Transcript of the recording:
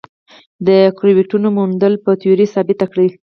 د ګرویټونو موندل به تیوري ثابته کړي.